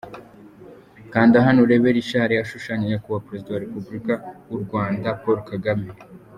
Kanda Hano urebe Richard ashushanya Nyakubahwa Perezida wa Repubulika y'u Rwanda, Paul Kagame.